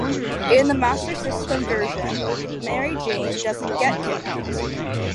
In the Master System version, Mary Jane doesn't get kidnapped.